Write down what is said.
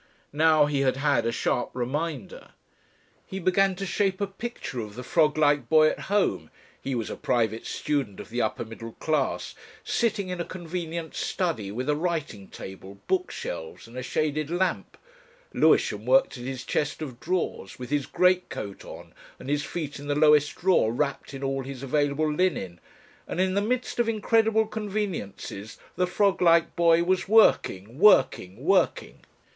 Now he had had a sharp reminder. He began to shape a picture of the frog like boy at home he was a private student of the upper middle class sitting in a convenient study with a writing table, book shelves, and a shaded lamp Lewisham worked at his chest of drawers, with his greatcoat on, and his feet in the lowest drawer wrapped in all his available linen and in the midst of incredible conveniences the frog like boy was working, working, working.